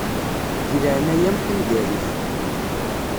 Di leɛnaya-m qqim di rrif.